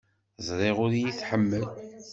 Ẓriɣ ur iyi-tḥemmel.